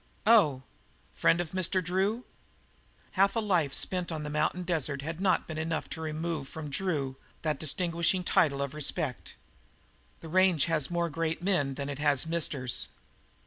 "Oh! Friend of Mr. Drew?" Half a life spent on the mountain desert had not been enough to remove from Drew that distinguishing title of respect. The range has more great men than it has "misters."